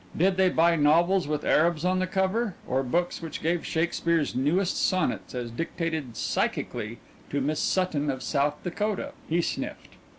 Did they buy novels with Arabs on the cover, or books which gave Shakespeare's newest sonnets as dictated psychically to Miss Sutton of South Dakota? he sniffed.